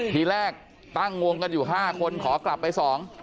ทีแรกตั้งวงกันอยู่๕คนขอกลับไปสอง